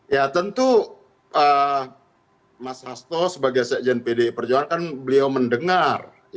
ya tentu mas hasto sebagai sekjen pdi perjuangan kan beliau mendengar